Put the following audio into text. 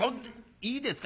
いいですか？